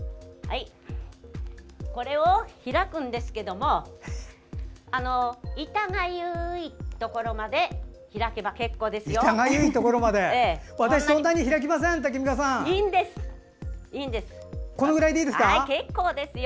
これを開くんですけども痛がゆいところまで開けば結構ですよ。